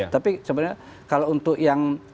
tapi sebenarnya kalau untuk yang